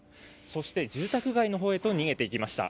そして住宅街のほうへと逃げていきました。